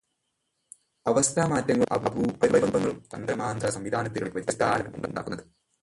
അവസ്ഥാ മാറ്റങ്ങളും അപരൂപങ്ങളും തന്മാത്രാ സംവിധാനത്തിലുള്ള വ്യത്യാസത്താലാണ് ഉണ്ടാകുന്നത്.